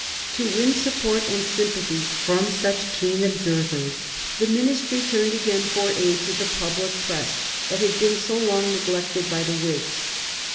To win support and sympathy from such keen observers, the Ministry turned again for aid to the public press that had been so long neglected by the Whigs.